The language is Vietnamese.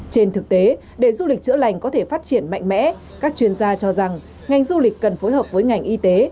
trên thực tế để du lịch chữa lành có thể phát triển mạnh mẽ các chuyên gia cho rằng ngành du lịch cần phối hợp với ngành y tế